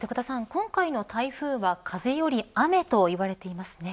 今回の台風は風より雨と言われていますね。